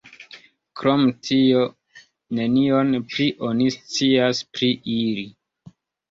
Krom tio, nenion pli oni scias pri ili.